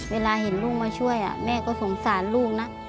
เวลาเห็นลูกมาช่วยแม่ก็สงสารลูกนะ